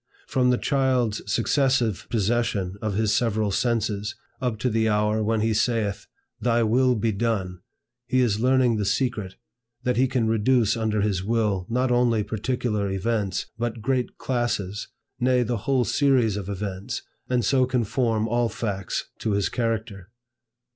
From the child's successive possession of his several senses up to the hour when he saith, "Thy will be done!" he is learning the secret, that he can reduce under his will, not only particular events, but great classes, nay the whole series of events, and so conform all facts to his character.